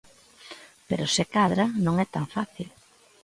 Pero se cadra non é tan fácil.